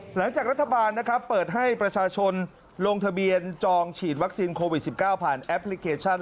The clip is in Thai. หลังจากรัฐบาลนะครับเปิดให้ประชาชนลงทะเบียนจองฉีดวัคซีนโควิด๑๙ผ่านแอปพลิเคชัน